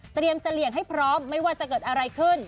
เสลี่ยงให้พร้อมไม่ว่าจะเกิดอะไรขึ้น